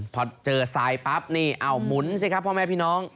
พอเจอทรายปั๊บนี่เอาหมุนสิครับพ่อแม่พี่น้อง